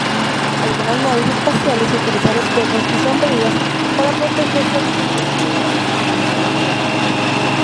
Algunas naves espaciales utilizan espejos y sombrillas para protegerse adicionalmente de la calefacción solar.